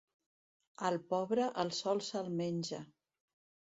Al pobre el sol se'l menja.